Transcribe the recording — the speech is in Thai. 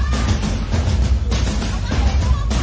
แต่ก็ไม่รู้ว่าจะมีใครอยู่ข้างหลัง